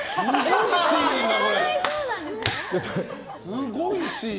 すごいシーン。